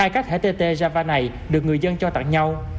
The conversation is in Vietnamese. hai cá thể tê tê ra và này được người dân cho tặng nhau